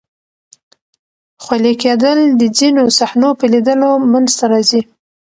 خولې کېدل د ځینو صحنو په لیدلو منځ ته راځي.